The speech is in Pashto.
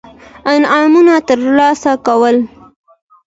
انعامونه ترلاسه کول.